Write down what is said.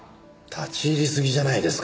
立ち入りすぎじゃないですか？